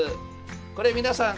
これ皆さん